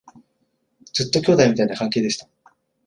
ずっと兄弟みたいな関係でした